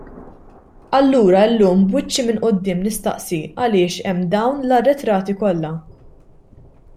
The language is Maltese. Allura llum b'wiċċi minn quddiem nistaqsi għaliex hemm dawn l-arretrati kollha.